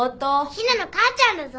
陽菜の母ちゃんだぞ。